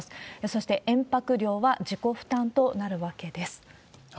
そして延泊料は自己負担となるわけです。